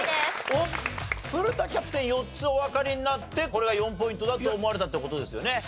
おっ古田キャプテン４つおわかりになってこれが４ポイントだって思われたって事ですよね？